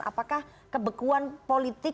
apakah kebekuan politik